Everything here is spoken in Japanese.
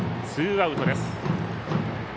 ツーアウトです。